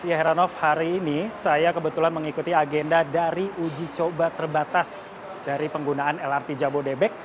ya heranov hari ini saya kebetulan mengikuti agenda dari uji coba terbatas dari penggunaan lrt jabodebek